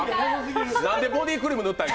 なんでボディクリーム塗ったん？